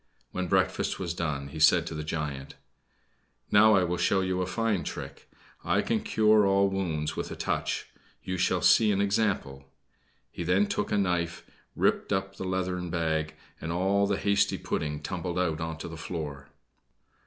When breakfast was done, he said to the giant: "Now I will show you a fine trick. I can cure all wounds with a touch. You shall see an example." He then took a knife, ripped up the leathern bag, and all the hasty pudding tumbled out upon the floor.